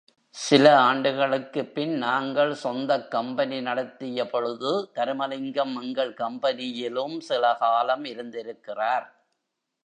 சில ஆண்டுகளுக்குப் பின் நாங்கள் சொந்தக் கம்பெனி நடத்திய பொழுது, தருமலிங்கம் எங்கள் கம்பெனியிலும் சில காலம் இருந்திருக்கிறார்.